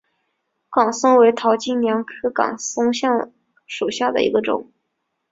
岗松为桃金娘科岗松属下的一个种。